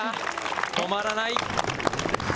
止まらない。